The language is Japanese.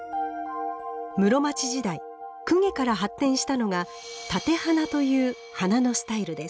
室町時代供華から発展したのが「立て花」という花のスタイルです。